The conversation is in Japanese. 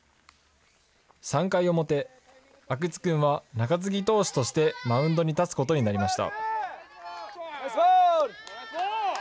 ３回表、阿久津君は中継ぎ投手としてマウンドに立つことになりました。